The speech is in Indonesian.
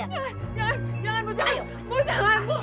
jangan jangan ibu